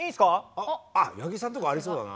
あ八木さんとかありそうだな。